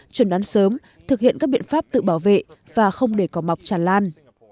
chuẩn đoán sớm thực hiện các biện pháp tự bảo vệ và không để cỏ mọc tràn lan